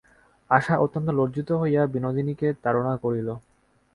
আশা অত্যন্ত লজ্জিত হইয়া বিনোদিনীকে তাড়না করিল।